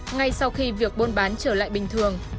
ngay sau khi việc buôn bán trở lại bình thường